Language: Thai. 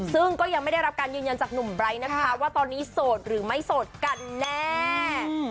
ซึ่งก็ยังไม่ได้รับการยืนยันจากหนุ่มไบร์ทนะคะว่าตอนนี้โสดหรือไม่โสดกันแน่